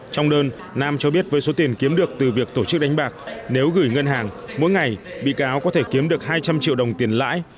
trong đơn nam cho biết với số tiền kiếm được từ việc tổ chức đánh bạc nếu gửi ngân hàng mỗi ngày bị cáo có thể kiếm được hai trăm linh triệu đồng tiền lãi